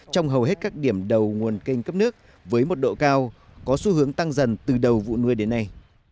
trong hầu hết các điểm đầu nguồn kênh cấp nước với mật độ cao có xu hướng tăng dần từ đầu vụ nuôi đến nay